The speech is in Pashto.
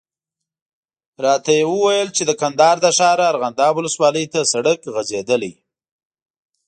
راته یې وویل چې د کندهار له ښاره ارغنداب ولسوالي ته سړک غځېدلی.